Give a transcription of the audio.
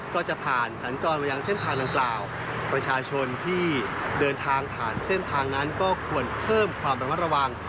ก็จะผ่านสัญจรมายังเส้นทางดังกล่าวประชาชนที่เดินทางผ่านเส้นทางนั้นก็ควรเพิ่มความระมัดระวัง